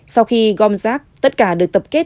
sau khi gom rác tất cả được tập kết